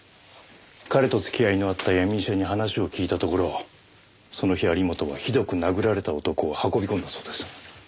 彼と付き合いのあった闇医者に話を聞いたところその日有本はひどく殴られた男を運び込んだそうです。